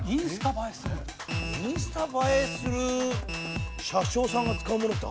インスタ映えする車掌さんが使うものってあるの？